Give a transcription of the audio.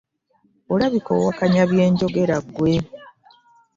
Olabika owakanya bye njogera ggwe.